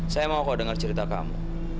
saya mau kok dengar cerita kamu